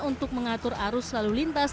untuk mengatur arus lalu lintas